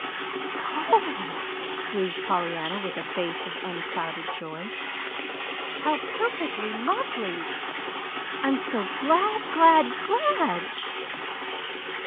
"Oh!" breathed Pollyanna, with a face of unclouded joy. "How perfectly lovely! I'm so glad, GLAD, GLAD!"